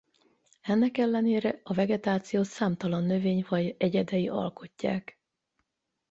Ennek ellenére a vegetációt számtalan növényfaj egyedei alkotják.